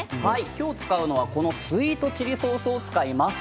きょう使うのは、このスイートチリソースを使います。